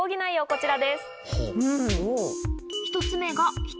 こちらです。